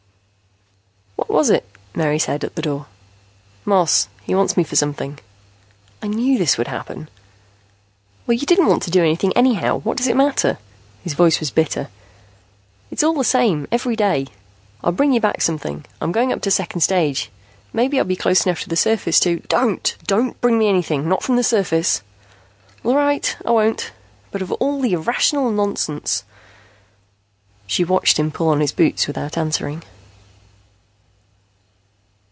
"What was it?" Mary said, at the door. "Moss. He wants me for something." "I knew this would happen." "Well, you didn't want to do anything, anyhow. What does it matter?" His voice was bitter. "It's all the same, every day. I'll bring you back something. I'm going up to second stage. Maybe I'll be close enough to the surface to " "Don't! Don't bring me anything! Not from the surface!" "All right, I won't. But of all the irrational nonsense " She watched him put on his boots without answering.